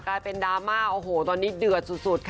กลายเป็นดราม่าโอ้โหตอนนี้เดือดสุดค่ะ